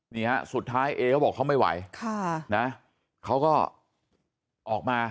นี่ฮะสุดท้ายเอเขาบอกเขาไม่ไหวค่ะนะเขาก็ออกมา